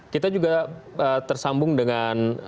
kita juga tersambung dengan